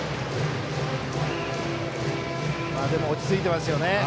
でも、落ち着いていますね。